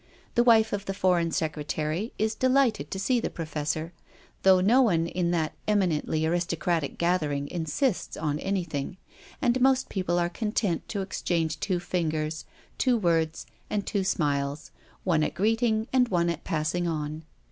The wife of the Foreign Secretary is delighted to see the professor, though no one in that eminently aristocratic gathering " insists " on anything, and most people are content to exchange two fingers, two words, and two smiles, one at greeting and one at passing on.